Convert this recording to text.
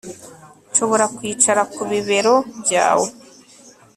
Nshobora kwicara ku bibero byawe